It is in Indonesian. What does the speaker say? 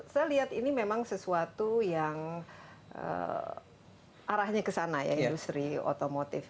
saya lihat ini memang sesuatu yang arahnya ke sana ya industri otomotif